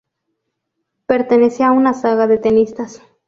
Pertenecía a una saga de tenistas.